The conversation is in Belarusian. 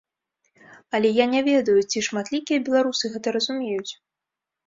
Але я не ведаю, ці шматлікія беларусы гэта разумеюць.